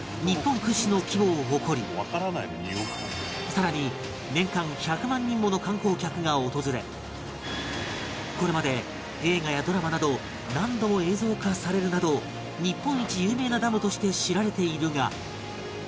さらに年間１００万人もの観光客が訪れこれまで映画やドラマなど何度も映像化されるなど日本一有名なダムとして知られているが